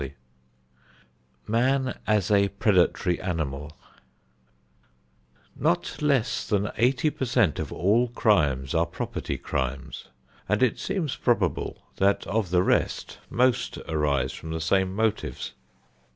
XIII MAN AS A PREDATORY ANIMAL Not less than eighty per cent of all crimes are property crimes, and it seems probable that, of the rest, most arise from the same motives.